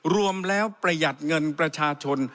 รวมแล้วประหยัดเงินประชาชน